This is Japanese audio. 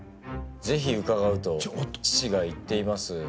ぜひ伺うと父が言っています。